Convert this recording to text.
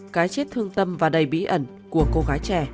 cái chết thương tâm và đầy bí ẩn của cô gái trẻ